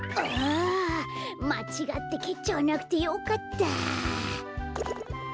まちがってけっちゃわなくてよかった！